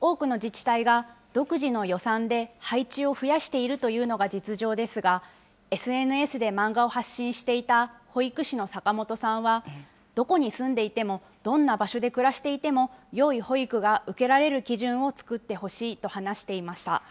多くの自治体が独自の予算で配置を増やしているというのが実情ですが、ＳＮＳで漫画を発信していた保育士の坂本さんは、どこに住んでいても、どんな場所で暮らしていても、よい保育が受けられる基準を作ってほしいと話していました。